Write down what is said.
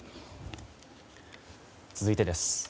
続いてです。